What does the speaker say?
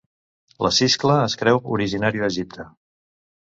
La siscla es creu originària d'Egipte.